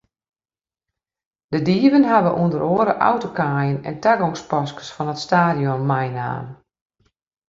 De dieven hawwe ûnder oare autokaaien en tagongspaskes fan it stadion meinaam.